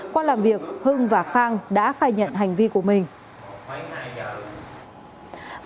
qua làm việc hưng và khang đã khai nhận hành vi của mình